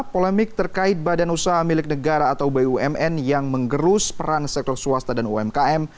polemik terkait badan usaha milik negara atau bumn yang menggerus peran sektor swasta dan umkm